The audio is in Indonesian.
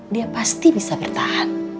dia pasti bisa bertahan